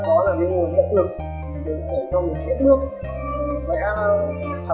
kiếm nước vẽ thật là